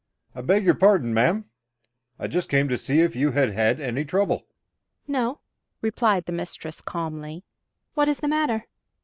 "I beg your pardon, ma'am. I just came to see if you had had any trouble." "No," replied the mistress calmly. "What is the matter?"